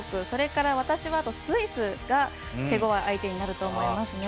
それから、私はスイスが手ごわい相手になると思います。